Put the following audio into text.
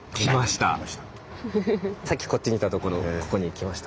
さっきこっちにいたとこのここに来ました。